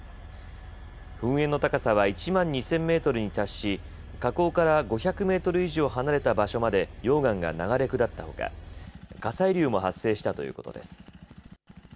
噴煙の高さは１万２０００メートルに達し火口から５００メートル以上離れた場所まで溶岩が流れ下ったほか火砕流も発生したということです。